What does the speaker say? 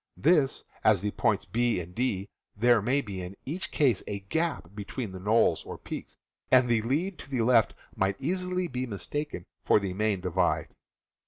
Thus, at the points B and D there may be in each case a gap between knolls or peaks, and the lead to the left might easily be mistaken for the main divide.